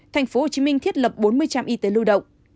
thành phố hồ chí minh thiết lập bốn mươi trạm y tế lưu động